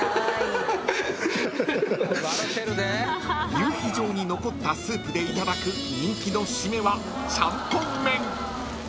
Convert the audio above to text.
［夕日状に残ったスープでいただく人気の締めは］